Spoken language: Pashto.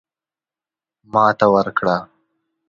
ماته ورکړه.